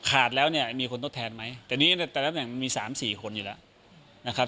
ขาดแล้วเนี่ยมีคนทดแทนไหมแต่นี้ในแต่ละตำแหน่งมี๓๔คนอยู่แล้วนะครับ